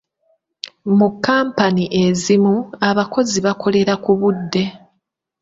Mu kkampani ezimu, abakozi bakolera ku budde.